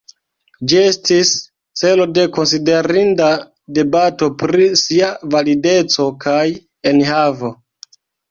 Ĝi estis celo de konsiderinda debato pri sia valideco kaj enhavo.